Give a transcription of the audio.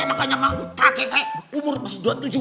emangnya kakek kakek umur pas dua puluh tujuh